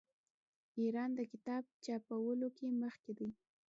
ایران د کتاب چاپولو کې مخکې دی.